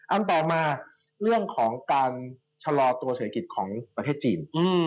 อันต่อมาเรื่องของการชะลอตัวเศรษฐกิจของประเทศจีน